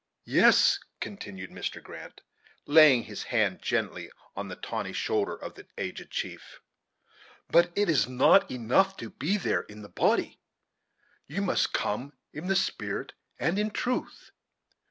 "Yes," continued Mr. Grant, laying his hand gently on the tawny shoulder of the aged chief, "but it is not enough to be there in the body; you must come in the spirit and in truth.